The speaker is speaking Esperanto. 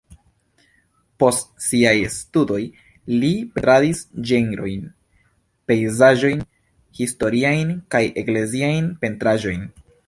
Post siaj studoj li pentradis ĝenrojn, pejzaĝojn, historiajn kaj ekleziajn pentraĵojn.